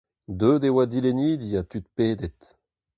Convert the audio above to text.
Deuet e oa dilennidi ha tud pedet.